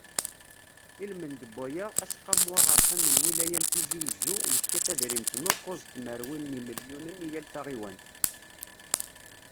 Ilmend n waya, Aseqqamu Aɣerfan n Lwilaya n Tizi Uzzu, yefka tadrimt n ukkuẓ tmerwin n yimelyunen i yal taɣiwant.